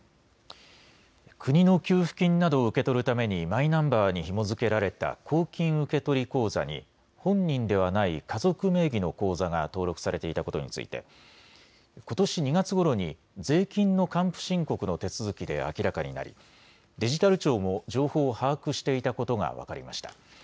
国の給付金などを受け取るためにマイナンバーにひも付けられた公金受取口座に本人ではない家族名義の口座が登録されていたことについてことし２月ごろに税金の還付申告の手続きで明らかになりデジタル庁も情報を把握していたことが分かりました。